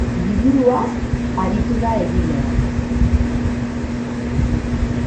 Liburuaz aritu da egilea.